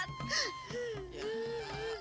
ya ampun dah